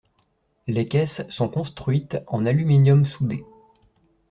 Les caisses sont construites en aluminium soudé.